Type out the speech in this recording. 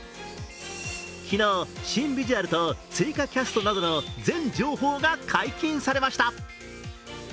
昨日、新ビジュアルと追加キャストなどの全情報が解禁されました。